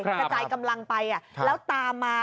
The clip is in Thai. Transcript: กระจายกำลังไปแล้วตามมา